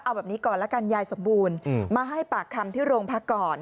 เอาแบบนี้ก่อนละกันยายสมบูรณ์มาให้ปากคำที่โรงพักก่อน